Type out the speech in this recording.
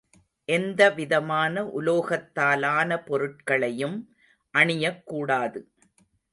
எந்தவிதமான உலோகத்தாலான பொருட்களையும் அணியக்கூடாது.